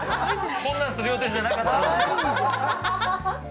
こんなんする予定じゃなかったのに。